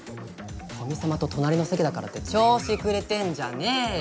古見様と隣の席だからって調子くれてんじゃねーよ。